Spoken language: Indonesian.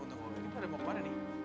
eh tunggu kita ada bawa kemana nih